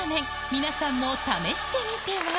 皆さんも試してみては？